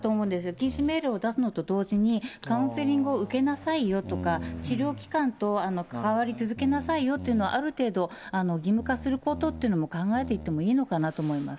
禁止命令を出すのと同時に、カウンセリングを受けなさいよとか、治療機関と関わり続けなさいよというのはある程度、義務化することというのも考えていってもいいのかなと思います。